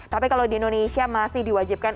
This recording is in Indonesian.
tapi kalau di indonesia masih diwajibkan